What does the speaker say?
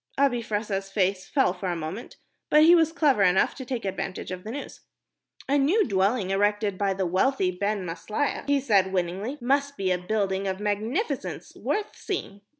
Abi Fressah's face fell for a moment, but he was clever enough to take advantage of the news. "A new dwelling erected by the wealthy Ben Maslia," he said, winningly, "must be a building of magnificence, worth seeing."